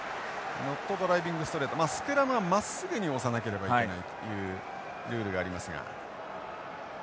ノットドライビングストレートスクラムはまっすぐに押さなければいけないというルールがありますが。